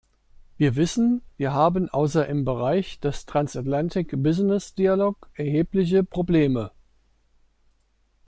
Wir wissen, wir haben außer im Bereich des Transatlantic Business Dialogue erhebliche Probleme.